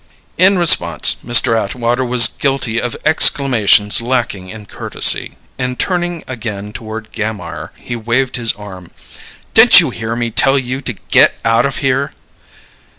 In response, Mr. Atwater was guilty of exclamations lacking in courtesy; and turning again toward Gammire, he waved his arm. "Didn't you hear me tell you to get out of here?"